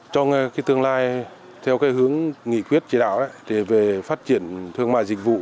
trong tương lai theo hướng nghị quyết chỉ đạo về phát triển thương mại dịch vụ